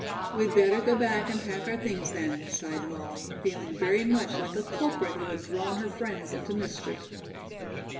"We'd better go back and pack our things, then," sighed Molly, feeling very much like a culprit who had drawn her friends into mischief.